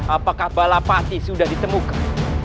apakah balapati sudah ditemukan